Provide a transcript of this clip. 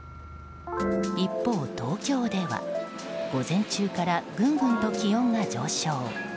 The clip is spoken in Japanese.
一方、東京では午前中からぐんぐんと気温が上昇。